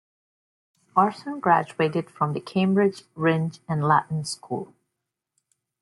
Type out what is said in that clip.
Orson graduated from the Cambridge Rindge and Latin School.